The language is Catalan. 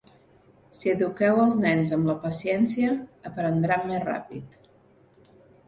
Si eduqueu els nens amb la paciència, aprendran més ràpid.